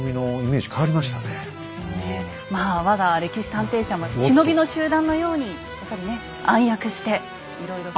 まあ我が歴史探偵社も忍びの集団のようにやっぱりね暗躍していろいろ。